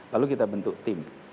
lalu kita bentuk tim